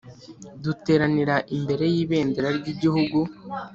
duteranira imbere y'ibendera ry'igihugu